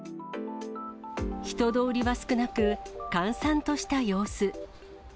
人通りは少なく、閑散とした様子。